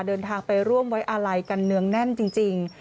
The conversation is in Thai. เดินทางไปร่วมไว้อาลัยกันเนืองแน่นจริง